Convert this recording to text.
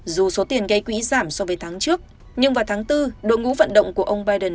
dù số tiền gây quỹ giảm so với tháng trước nhưng vào tháng bốn đội ngũ vận động của ông biden